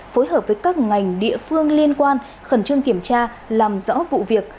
phối hợp với các ngành địa phương liên quan khẩn trương kiểm tra làm rõ vụ việc